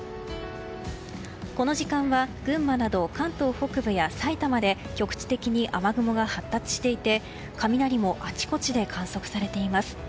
この時間は群馬など関東北部や埼玉で局地的に雨雲が発達していて雷もあちこちで観測されています。